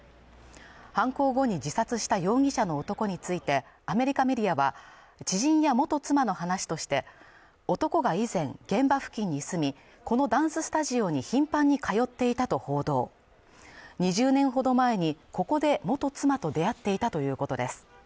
犯行後に自殺した容疑者の男についてアメリカメディアは知人や元妻の話として男が以前現場付近に住みこのダンススタジオに頻繁に通っていたと報道２０年ほど前にここで元妻と出会っていたということです